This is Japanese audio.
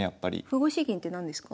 歩越し銀って何ですか？